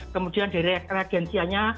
kemudian dari reagensianya